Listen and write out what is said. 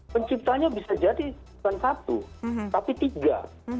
penciptanya bisa jadi bukan satu tapi tiga